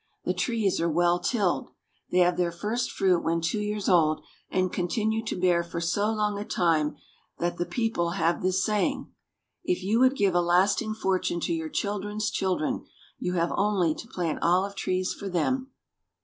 The trees are well tilled. They have their first fruit when two years old, and con tinue to bear for so long a time that the people have this 434 SPAIN. saying :" If you would give a lasting fortune to your children's children, you have only to plant olive trees for them."